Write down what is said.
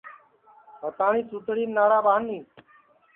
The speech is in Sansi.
بھتاٹؔی سوتٹؔیم ناڑا ٻانی